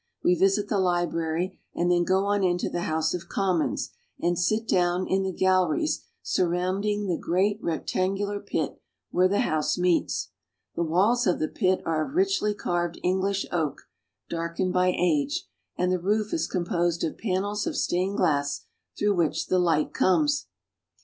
We visit the library and then go on into the House of Commons, and sit down in the galleries surrounding the great rectangular pit where the House meets. The walls of the pit are of richly carved English oak, darkened by age, and the roof is composed of panels of stained glass through which the light comes.